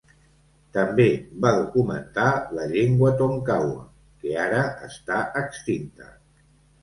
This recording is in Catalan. També va documentar la llengua tonkawa, que ara està extinta.